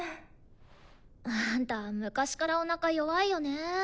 あんた昔からおなか弱いよね。